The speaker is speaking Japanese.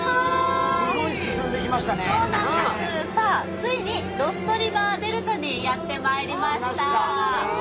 ついにロストリバーデルタにやってまいりました。